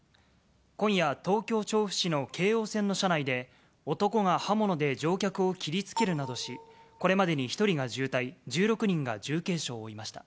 今夜、東京・調布市の京王線の車内で、男が刃物で乗客を切りつけるなどし、これまでに１人が重体、１６人が重軽傷を負いました。